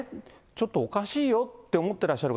ちょっとおかしいよって思ってらっしゃる